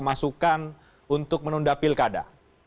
masukan untuk menunda pilkada